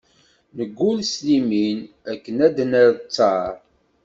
Neggul s limin, akken ad d-nerr ttaṛ.